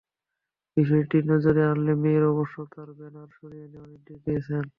বিষয়টি নজরে আনলে মেয়র অবশ্য তাঁর ব্যানার সরিয়ে নেওয়ার নির্দেশ দিয়েছেন।